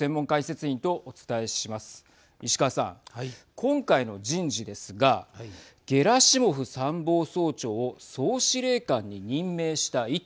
今回の人事ですがゲラシモフ参謀総長を総司令官に任命した意図